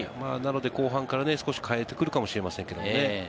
後半から少し代えてくるかもしれませんけれどもね。